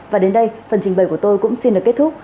và đến đây phần trình bày của tôi cũng xin được kết thúc